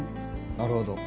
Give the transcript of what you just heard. なるほど。